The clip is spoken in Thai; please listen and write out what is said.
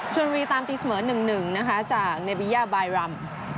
ชนบุรีตามตีเสมอ๑๑นะคะจากเนบิยาบายรำ